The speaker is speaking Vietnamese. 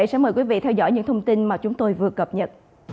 xin mời quý vị theo dõi những thông tin mà chúng tôi vừa cập nhật